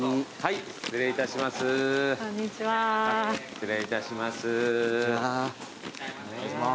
失礼いたします。